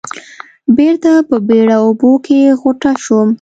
بېرته په بېړه اوبو کې غوټه شوم.